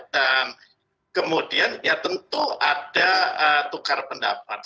dan kemudian ya tentu ada tukar pendapat